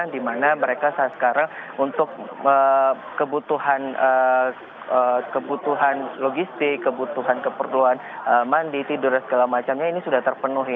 di mana mereka saat sekarang untuk kebutuhan logistik kebutuhan keperluan mandi tidur dan segala macamnya ini sudah terpenuhi